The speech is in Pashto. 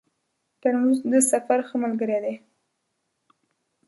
ترموز د سفر ښه ملګری دی.